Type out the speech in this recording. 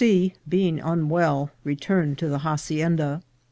C., being unwell, returned to the hacienda.